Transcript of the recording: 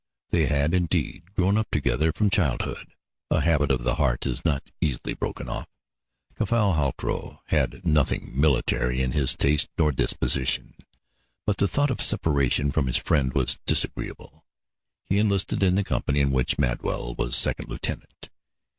They had, indeed, grown up together from childhood. A habit of the heart is not easily broken off. Caffal Halcrow had nothing military in his taste nor disposition, but the thought of separation from his friend was disagreeable; he enlisted in the company in which Madwell was second lieutenant.